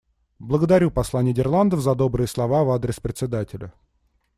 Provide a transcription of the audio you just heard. Благодарю посла Нидерландов за добрые слова в адрес Председателя.